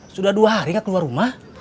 sudah dua hari gak keluar rumah